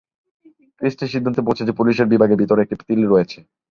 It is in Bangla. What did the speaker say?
ক্রিস্টি সিদ্ধান্তে পৌঁছে যে পুলিশ বিভাগের ভিতরে একটি তিল রয়েছে।